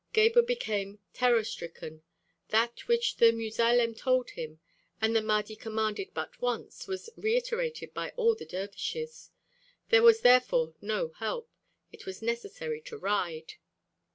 Gebhr became terror stricken. That which the muzalem told him, that the Mahdi commanded but once, was reiterated by all the dervishes. There was therefore no help; it was necessary to ride.